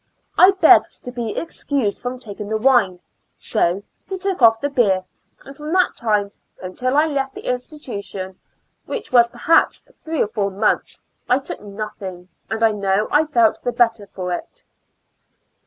I begged to be excused from taking the wine; so he took off the beer, and from that time until I left the institu tution, which was perhaps three or four months, I took nothing, and I know I felt the better for it.